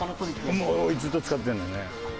もうずっと使ってるのね。